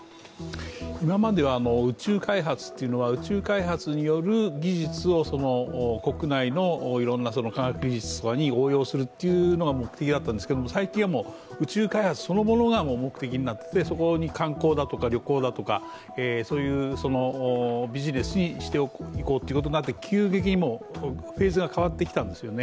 今までは宇宙開発っていうのは、宇宙開発による技術を国内のいろんな科学技術とかに応用するのが目的だったんですけど、最近は宇宙開発そのものが目的になっていて、そこに観光だとか旅行だとか、そういうビジネスにしていこうということになって急激にフェーズが変わってきたんですよね。